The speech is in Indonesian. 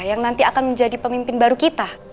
yang nanti akan menjadi pemimpin baru kita